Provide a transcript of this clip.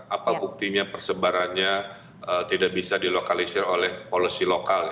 apa buktinya persebarannya tidak bisa dilokalisir oleh polisi lokal